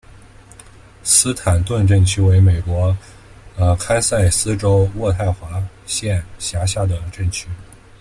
斯坦顿镇区为美国堪萨斯州渥太华县辖下的镇区。